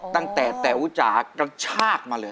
ตั้งแต่เต๋าจ่ากลางชาติมาเลย